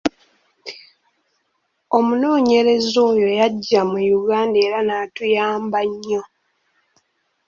Omunoonyereza oyo yajja mu Uganda era n'atuyamba nnyo.